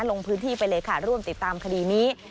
ลงพื้นที่ไปเลยค่ะร่วมติดตามคดีนี้